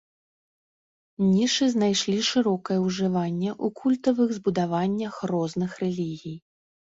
Нішы знайшлі шырокае ўжыванне ў культавых збудаваннях розных рэлігій.